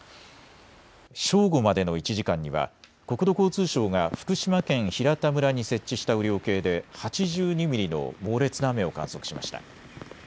正午までの１時間には国土交通省が福島県平田村に設置した雨量計で８２ミリの猛烈な雨を観測しました。